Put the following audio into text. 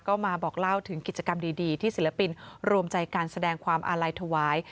ก็มาบอกเล่าถึงกิจกรรมดีที่ศิลปินรวมใจการแสดงความอาลัยถวาย